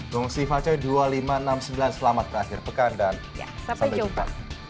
gongsi face dua ribu lima ratus enam puluh sembilan selamat berakhir pekan dan sampai jumpa